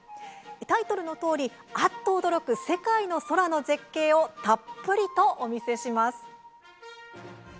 タイトルのとおりあっと驚く世界の空の絶景をたっぷりとお見せします。